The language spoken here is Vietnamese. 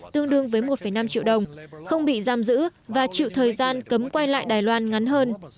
tương đương với một năm triệu đồng không bị giam giữ và chịu thời gian cấm quay lại đài loan ngắn hơn